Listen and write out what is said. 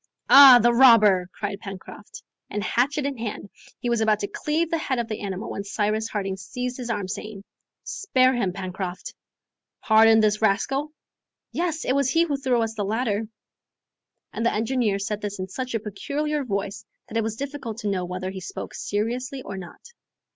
"Ah, the robber!" cried Pencroft. And hatchet in hand, he was about to cleave the head of the animal, when Cyrus Harding seized his arm, saying, "Spare him, Pencroft." "Pardon this rascal?" "Yes! it was he who threw us the ladder!" And the engineer said this in such a peculiar voice that it was difficult to know whether he spoke seriously or not.